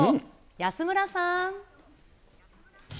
安村さん。